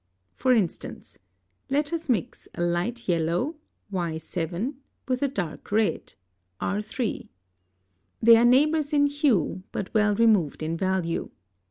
] (69) For instance, let us mix a light yellow (Y7) with a dark red (R3). They are neighbors in hue, but well removed in value.